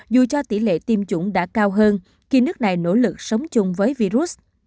dù cho tỷ lệ tiêm chủng đã cao hơn khi nước này nỗ lực sống chung với virus